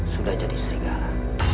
sudah jadi serigala